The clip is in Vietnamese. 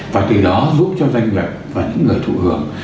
và từ đó giúp cho doanh nghiệp và những người thụ hưởng